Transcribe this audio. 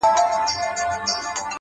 اوس هره شپه خوب کي بلا وينمه،